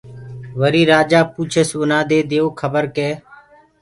وريٚ رآجآ پوٚڇس اُنآدي ديئو کبر ڪي